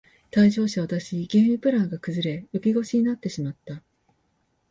退場者を出しゲームプランが崩れ浮き腰になってしまった